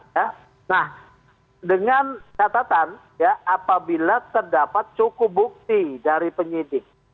nah dengan catatan ya apabila terdapat cukup bukti dari penyidik